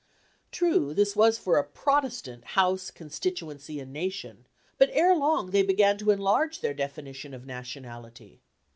True, this was for a Protestant House, constituency, and nation; but ere long they began to enlarge their definition of nationality.